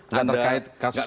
nggak terkait kasus itu